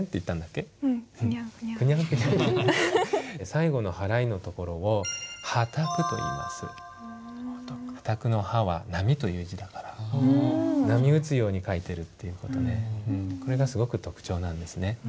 最後の払いのところを波磔の「波」は「波」という字だから波打つように書いてるっていう事でこれがすごく特徴なんですね。